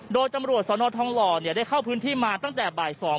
โดยจำรวจท้องหล่อเนี่ยได้เข้าพื้นที่มาตั้งแต่บ่ายสอง